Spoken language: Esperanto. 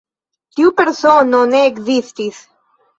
Tiu persono ne ekzistis.